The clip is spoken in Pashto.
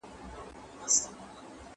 د ولسي ژبې زېرمه محدوده ده.